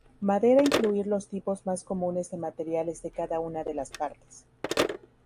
Madera incluir los tipos más comunes de materiales de cada una de las partes.